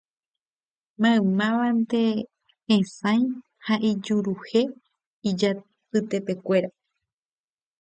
Maymávante hesãi ha ijuruhe ijapytepekuéra